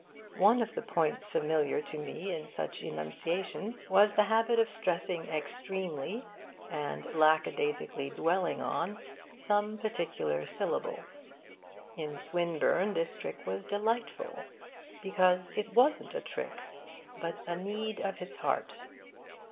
One of the points familiar to me in such enunciation was the habit of stressing extremely, and lackadaisically dwelling on, some particular syllable. In Swinburne this trick was delightful because it wasn't a trick, but a need of his heart.